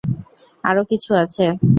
আরো কিছু আছে।